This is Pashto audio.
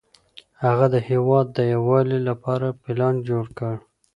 هغه د هېواد د یووالي لپاره پلان جوړ کړ.